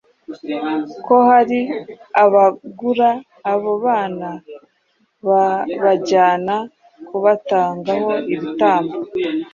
ko hari abagura abo bana "babajyana kubatangaho ibitambo